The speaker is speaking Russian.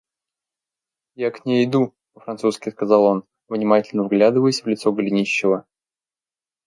Я к ней иду, — по-французски сказал он, внимательно вглядываясь в лицо Голенищева.